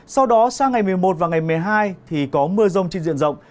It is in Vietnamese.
sau đó sang ngày một mươi một và ngày một mươi hai thì có mưa rông trên diện rộng